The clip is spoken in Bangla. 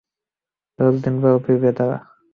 দশদিন পর ফিরবে তারা।